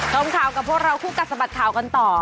ชมข่าวกับพวกเราคู่กัดสะบัดข่าวกันต่อ